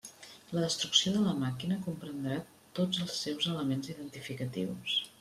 La destrucció de la màquina comprendrà tots els seus elements identificatius.